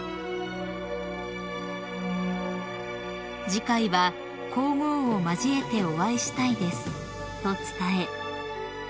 ［「次回は皇后を交えてお会いしたいです」と伝え］